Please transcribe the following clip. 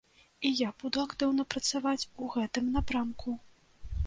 І я буду актыўна працаваць у гэтым напрамку.